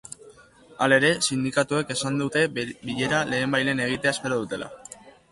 Halere, sindikatuek esan dute bilera lehenbailehen egitea espero dutela.